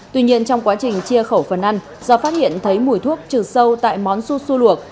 tuy nhiên trong quá trình chia khẩu phần ăn do phát hiện thấy mùi thuốc trừ sâu tại món su su luộc